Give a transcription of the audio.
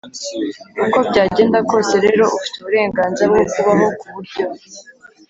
uko byagenda kose rero ufite uburenganzira bwo kubaho ku buryo